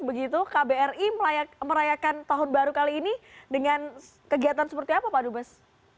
begitu kbri merayakan tahun baru kali ini dengan kegiatan seperti apa pak dubes